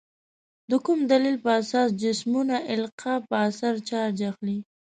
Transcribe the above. د کوم دلیل په اساس جسمونه القا په اثر چارج اخلي؟